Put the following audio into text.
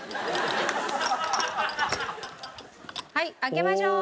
はい開けましょう。